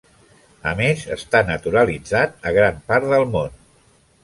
A més està naturalitzat a gran part del món.